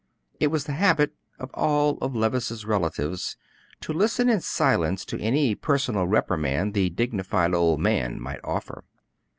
It was the habit of all of Levice's relatives to listen in silence to any personal reprimand the dignified old man might offer.